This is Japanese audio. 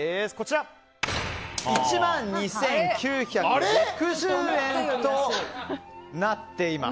１万２９６０円となっています。